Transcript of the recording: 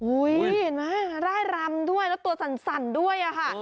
อุ๊ยเห็นไหมไร้รำด้วยแล้วตัวสั่นด้วยค่ะ